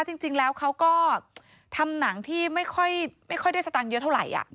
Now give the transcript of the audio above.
จริงแล้วเขาก็ทำหนังที่ไม่ค่อยได้สตางค์เยอะเท่าไหร่